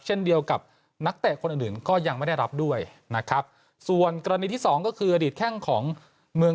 เช่นเดียวกับนักเตะคนอื่นอื่นก็ยังไม่ได้รับด้วยนะครับส่วนกรณีที่สองก็คืออดีตแข้งของเมือง